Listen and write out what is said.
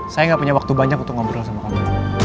saya gak punya waktu banyak untuk ngobrol sama kami